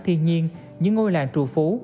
thiên nhiên những ngôi làng trù phú